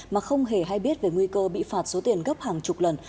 mà không hề hay biết về nguy cơ bị phạt số tiền gấp hàng chục lần